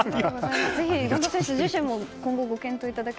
ぜひ、権田選手自身も今後ご検討ください。